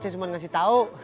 saya cuma ngasih tahu